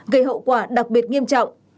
gây hậu quả đặc biệt nghiêm trọng